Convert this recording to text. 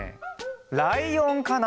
ライオンかな。